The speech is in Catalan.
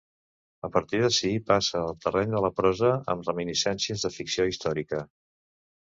A partir d'ací passa al terreny de la prosa, amb reminiscències de ficció històrica.